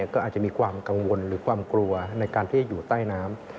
ก็อาจจะมีความกังวลหรือความกลัวในการที่จะอยู่ใต้น้ำ